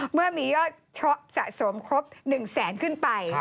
เมื่อมียอดสะสมครบ๑แสนขึ้นไป